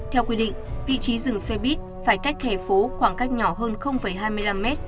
theo quy định vị trí dừng xe buýt phải cách hẻ phố khoảng cách nhỏ hơn hai mươi năm m